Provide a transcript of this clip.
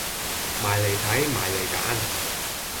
埋嚟睇，埋嚟揀